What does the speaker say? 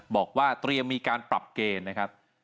บอกว่าเตรียมมีการปรับเกณฑ์นะครับ